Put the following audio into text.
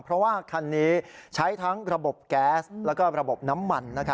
เพราะว่าคันนี้ใช้ทั้งระบบแก๊สแล้วก็ระบบน้ำมัน